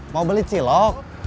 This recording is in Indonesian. mau beli cilok